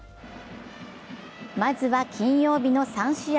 まずは、金曜日の３試合。